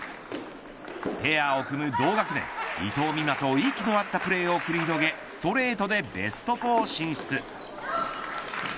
ペアを組む同学年、伊藤美誠と息の合ったプレーを繰り広げストレートでベスト４進出。